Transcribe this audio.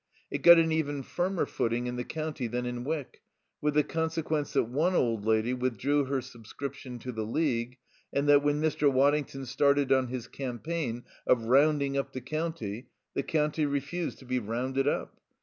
It got an even firmer footing in the county than in Wyck, with the consequence that one old lady withdrew her subscription to the League, and that when Mr. Waddington started on his campaign of rounding up the county the county refused to be rounded up.